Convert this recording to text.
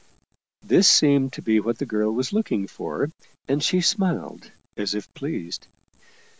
This seemed to be what the girl was looking for, and she smiled as if pleased.